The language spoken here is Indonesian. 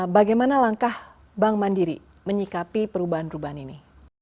bagaimana langkah bank mandiri menyikapi perubahan perubahan ini